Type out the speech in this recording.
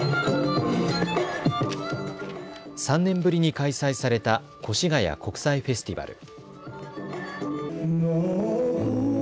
３年ぶりに開催された越谷国際フェスティバル。